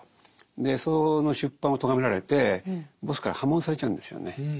その出版をとがめられてボスから破門されちゃうんですよね。